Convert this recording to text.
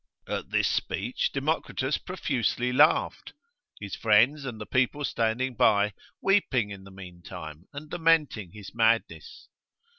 At this speech Democritus profusely laughed (his friends and the people standing by, weeping in the mean time, and lamenting his madness).